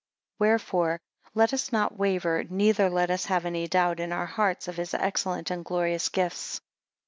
10 Wherefore let us not waver, neither let us have any doubt in our hearts, of his excellent and glorious gifts.